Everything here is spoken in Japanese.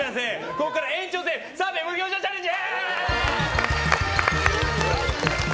ここから延長戦澤部無表情チャレンジ！